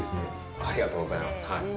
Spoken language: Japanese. ありがとうございます。